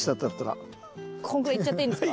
こんぐらいいっちゃっていいんですか？